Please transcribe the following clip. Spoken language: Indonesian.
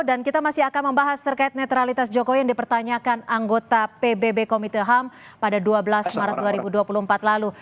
kita masih akan membahas terkait netralitas jokowi yang dipertanyakan anggota pbb komite ham pada dua belas maret dua ribu dua puluh empat lalu